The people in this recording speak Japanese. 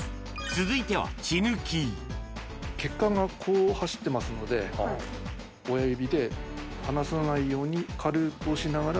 続いては血管がこう走ってますので親指で離さないように軽く押しながら。